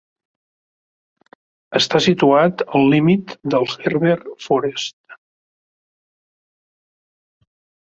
Està situat al límit del Herber Forest.